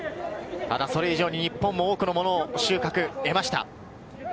ただそれ以上に日本も多くのものを収穫を得ました。